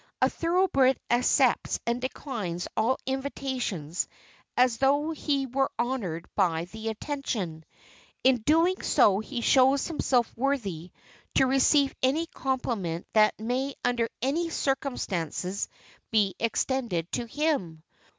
A thoroughbred accepts and declines all invitations as though he were honored by the attention. In doing so he shows himself worthy to receive any compliment that may under any circumstances be extended to him.